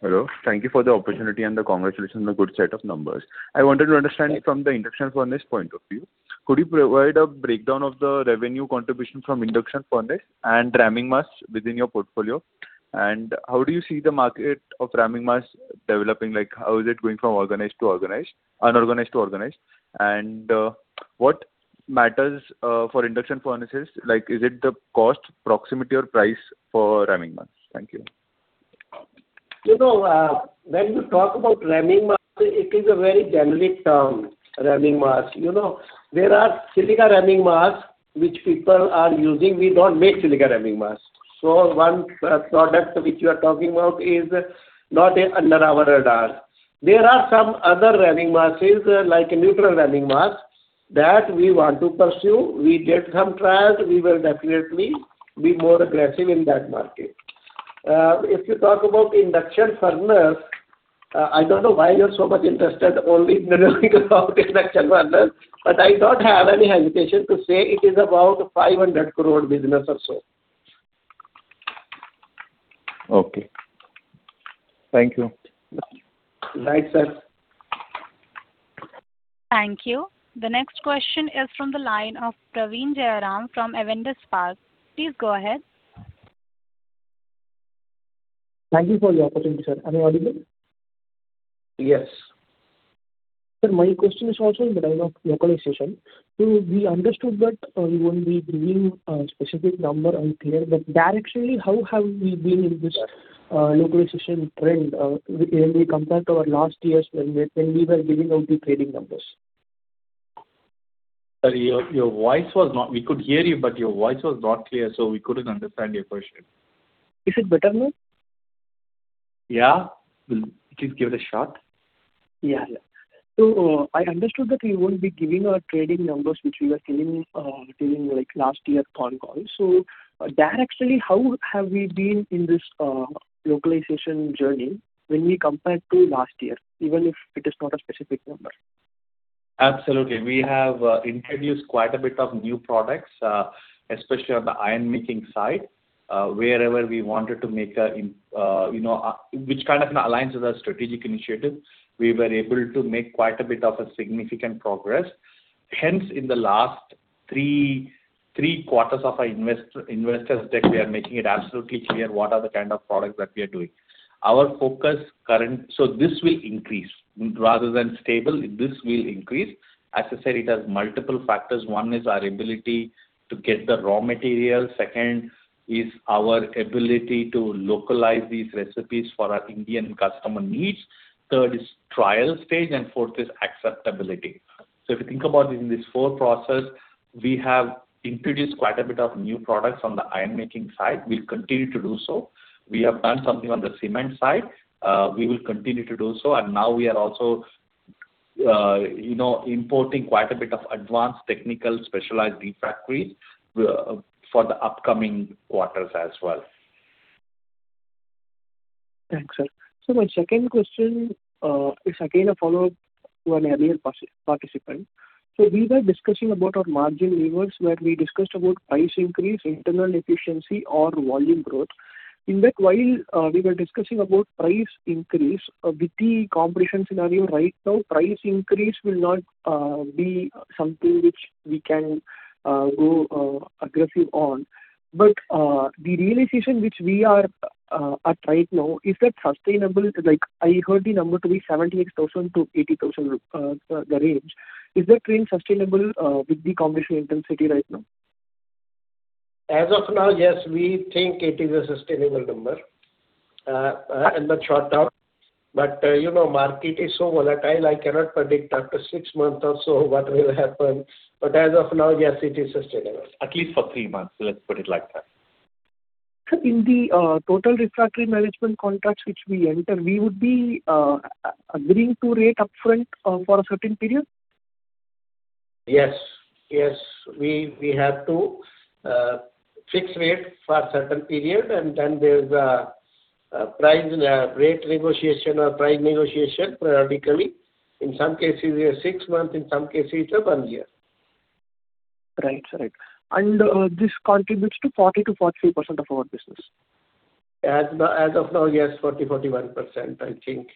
Hello. Thank you for the opportunity and the congratulations on the good set of numbers. I wanted to understand from the induction furnace point of view, could you provide a breakdown of the revenue contribution from induction furnace and ramming mass within your portfolio? And how do you see the market of ramming mass developing, like, how is it going from organized to organized—unorganized to organized? And, what matters, for induction furnaces? Like, is it the cost, proximity, or price for ramming mass? Thank you. You know, when you talk about ramming mass, it is a very generic term, ramming mass. You know, there are silica ramming mass, which people are using. We don't make silica ramming mass. So one product which you are talking about is not under our radar. There are some other ramming masses, like a neutral ramming mass, that we want to pursue. We did some trials, we will definitely be more aggressive in that market. If you talk about induction furnace, I don't know why you're so much interested only in the induction furnace, but I don't have any hesitation to say it is about 500 crore business or so.... Okay. Thank you. Right, sir. Thank you. The next question is from the line of Praveen Jayaram from Avendus Spark. Please go ahead. Thank you for the opportunity, sir. Am I audible? Yes. Sir, my question is also in the line of localization. So we understood that you won't be giving a specific number on CapEx, but directionally, how have we been in this localization trend when we compare to our last year's when we were giving out the trading numbers? Sorry, your voice was not clear. We could hear you, but your voice was not clear, so we couldn't understand your question. Is it better now? Yeah. Please give it a shot. Yeah. So I understood that you won't be giving our trading numbers, which you were giving, like, last year con call. So directionally, how have we been in this localization journey when we compare to last year, even if it is not a specific number? Absolutely. We have introduced quite a bit of new products, especially on the ironmaking side, wherever we wanted to make a, you know, which kind of aligns with our strategic initiative. We were able to make quite a bit of a significant progress. Hence, in the last three quarters of our investors deck, we are making it absolutely clear what are the kind of products that we are doing. Our focus. So this will increase. Rather than stable, this will increase. As I said, it has multiple factors. One is our ability to get the raw material, second is our ability to localize these recipes for our Indian customer needs, third is trial stage, and fourth is acceptability. So if you think about it, in this four process, we have introduced quite a bit of new products on the ironmaking side. We'll continue to do so. We have done something on the cement side. We will continue to do so, and now we are also, you know, importing quite a bit of advanced technical specialized refractories for the upcoming quarters as well. Thanks, sir. So my second question is again a follow-up to an earlier participant. So we were discussing about our margin levers, where we discussed about price increase, internal efficiency, or volume growth. In that while, we were discussing about price increase with the competition scenario right now, price increase will not be something which we can go aggressive on. But the realization which we are at right now, is that sustainable? Like, I heard the number to be 78,000-80,000, the range. Is that range sustainable with the competition intensity right now? As of now, yes, we think it is a sustainable number, in the short term. But, you know, market is so volatile, I cannot predict after six months or so what will happen. But as of now, yes, it is sustainable. At least for three months, let's put it like that. Sir, in the Total Refractory Management contracts which we enter, we would be agreeing to rate upfront for a certain period? Yes. Yes, we have to fix rate for a certain period, and then there's a price rate negotiation or price negotiation periodically. In some cases, we have six months, in some cases, up one year. Right. Right. And, this contributes to 40%-43% of our business? As of now, yes, 40%-41%, I think,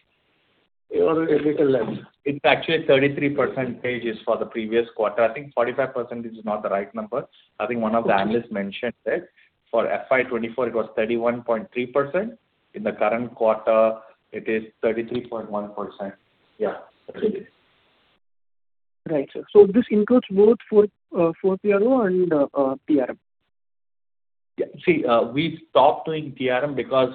or a little less. It's actually 33% EBITDA for the previous quarter. I think 45% is not the right number. I think one of the analysts mentioned it. For FY 2024, it was 31.3%. In the current quarter, it is 33.1%. Yeah, it is. Right, sir. So this includes both for FORPRO and TRM? Yeah. See, we stopped doing TRM because,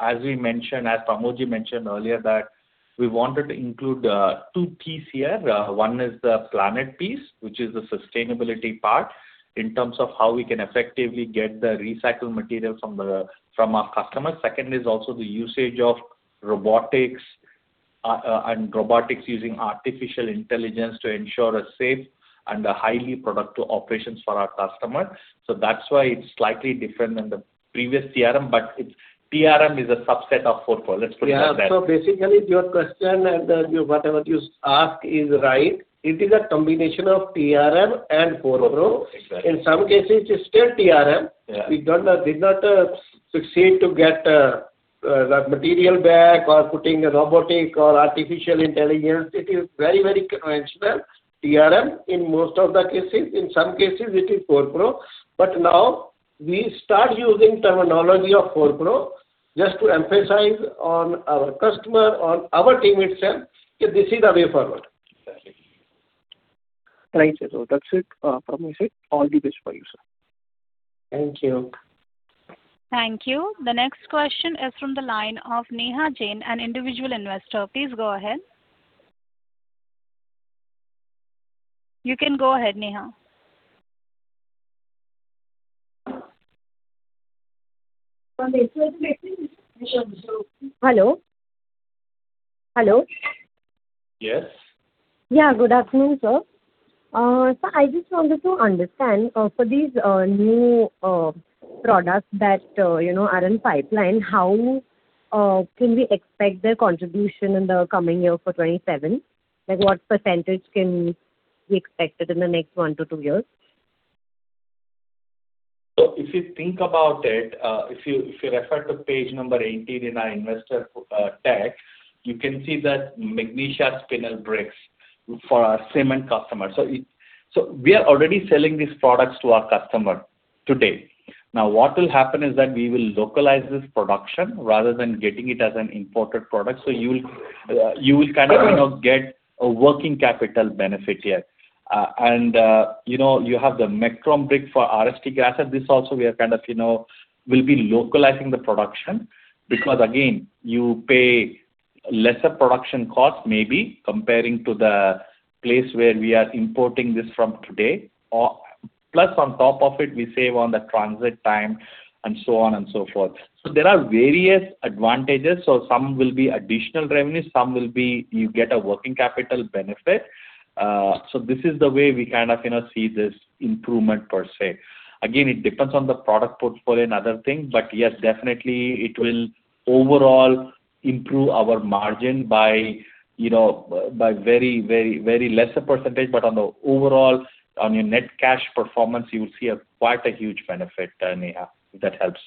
as we mentioned, as Parmod mentioned earlier, that we wanted to include, two piece here. One is the planet piece, which is the sustainability part, in terms of how we can effectively get the recycled material from the, from our customers. Second is also the usage of robotics, and robotics using artificial intelligence to ensure a safe and a highly productive operations for our customer. So that's why it's slightly different than the previous TRM, but it's... TRM is a subset of FORPRO. Let's put it like that. Yeah. So basically, your question and, whatever you ask is right. It is a combination of TRM and FORPRO. Exactly. In some cases, it's still TRM. Yeah. We did not succeed to get the material back or putting a robotic or artificial intelligence. It is very, very conventional TRM in most of the cases. In some cases, it is FORPRO. But now we start using terminology of FORPRO just to emphasize on our customer, on our team itself, that this is the way forward. Exactly. Right, sir. So that's it, from my side. All the best for you, sir. Thank you. Thank you. The next question is from the line of Neha Jain, an individual investor. Please go ahead. You can go ahead, Neha. Hello? Hello. Yes. Yeah, good afternoon, sir. So I just wanted to understand, for these new products that, you know, are in pipeline, how can we expect their contribution in the coming year for 27? Like, what percentage can we-... we expected in the next 1-2-years? So if you think about it, if you refer to Page 18 in our investor deck, you can see that Magnesia Spinel Bricks for our cement customers. So we are already selling these products to our customer today. Now, what will happen is that we will localize this production rather than getting it as an imported product. So you will kind of, you know, get a working capital benefit here. And you know, you have the Mag-Chrome Brick for RH degassers. This also we are kind of, you know, we'll be localizing the production, because, again, you pay lesser production costs maybe comparing to the place where we are importing this from today. Or plus, on top of it, we save on the transit time and so on and so forth. So there are various advantages. So some will be additional revenue, some will be you get a working capital benefit. So this is the way we kind of, you know, see this improvement per se. Again, it depends on the product portfolio and other things, but yes, definitely it will overall improve our margin by, you know, by very, very, very lesser percentage. But on the overall, on your net cash performance, you will see quite a huge benefit, Neha, if that helps.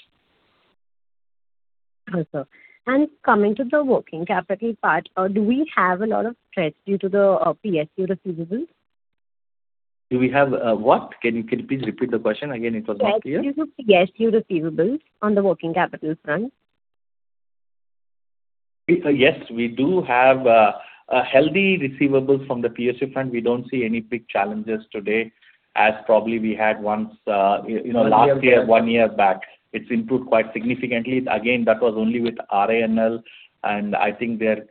Okay. Coming to the working capital part, do we have a lot of threats due to the PSU receivables? Do we have, what? Can you, can you please repeat the question again? It was not clear. Threats due to PSU receivables on the working capital front. Yes, we do have a healthy receivables from the PSU front. We don't see any big challenges today as probably we had once, you know, last year, one year back. It's improved quite significantly. Again, that was only with RINL, and I think they're...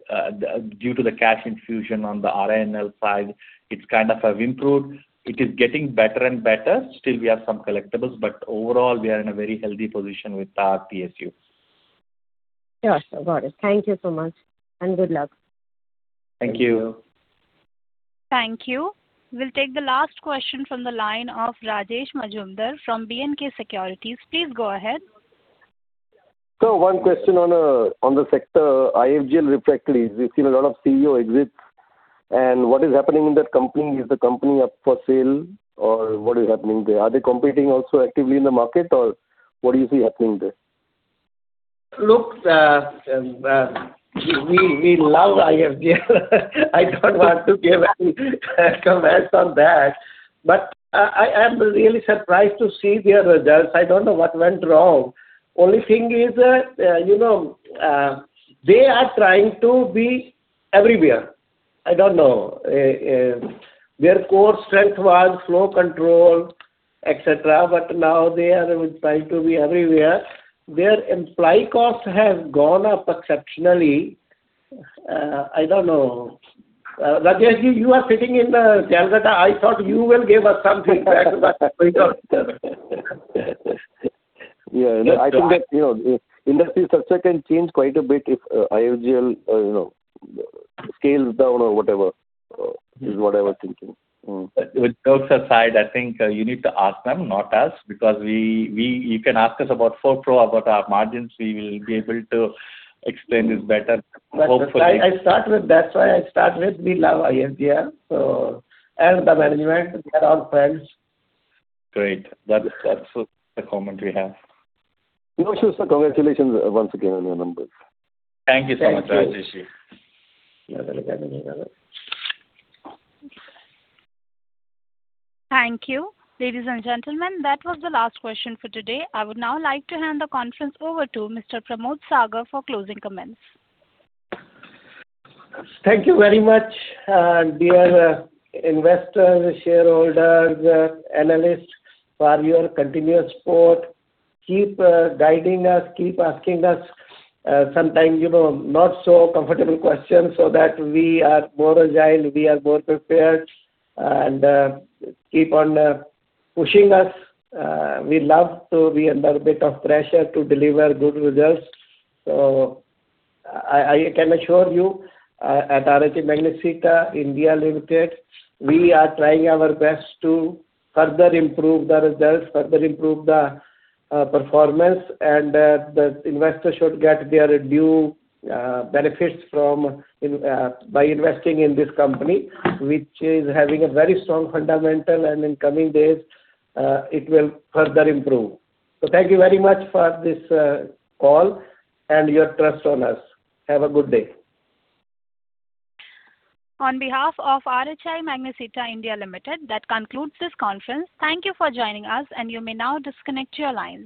Due to the cash infusion on the RINL side, it's kind of improved. It is getting better and better. Still, we have some collectibles, but overall, we are in a very healthy position with our PSU. Sure, sir. Got it. Thank you so much, and good luck. Thank you. Thank you. We'll take the last question from the line of Rajesh Majumdar from B&K Securities. Please go ahead. One question on the sector, IFGL Refractories. We've seen a lot of CEO exits, and what is happening in that company? Is the company up for sale, or what is happening there? Are they competing also actively in the market, or what do you see happening there? Look, we love IFGL. I don't want to give any comments on that, but I'm really surprised to see their results. I don't know what went wrong. Only thing is that, you know, they are trying to be everywhere. I don't know. Their core strength was flow control, et cetera, but now they are trying to be everywhere. Their employee costs have gone up exceptionally. I don't know. Rajesh, you are sitting in Calcutta. I thought you will give us something back, but wait on. Yeah, I think that, you know, the industry sector can change quite a bit if IFGL, you know, scales down or whatever is what I was thinking. Mm. With jokes aside, I think you need to ask them, not us, because we... You can ask us about FORPRO, about our margins. We will be able to explain this better, hopefully. I start with, that's why I start with we love IFGL, so, and the management, we are all friends. Great. That's, that's the comment we have. No, sure, sir. Congratulations once again on your numbers. Thank you so much, Rajeshji. Thank you. Thank you. Ladies and gentlemen, that was the last question for today. I would now like to hand the conference over to Mr. Parmod Sagar for closing comments. Thank you very much, dear investors, shareholders, analysts, for your continuous support. Keep guiding us, keep asking us, sometimes, you know, not so comfortable questions so that we are more agile, we are more prepared, and keep on pushing us. We love to be under a bit of pressure to deliver good results. So I can assure you, at RHI Magnesita India Limited, we are trying our best to further improve the results, further improve the performance, and the investors should get their due benefits from in by investing in this company, which is having a very strong fundamental, and in coming days, it will further improve. So thank you very much for this call and your trust on us. Have a good day. On behalf of RHI Magnesita India Limited, that concludes this conference. Thank you for joining us, and you may now disconnect your lines.